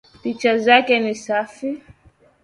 Picha zake ni safi